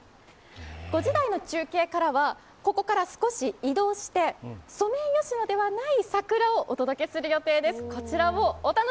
５時台の中継からはここから少し移動してソメイヨシノではない桜をお届けする予定です。